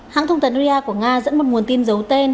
hãng thông tấn ria của nga dẫn một nguồn tin giấu tên